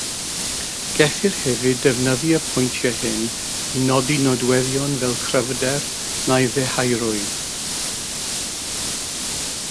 Gellir hefyd defnyddio'r pwyntiau hyn i nodi nodweddion fel cryfder neu ddeheurwydd.